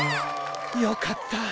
よかった。